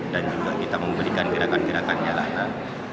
dan juga kita memberikan gerakan gerakan jalanan